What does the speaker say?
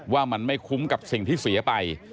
ว่ามันไม่คุ้มกับสิ่งที่เสียไป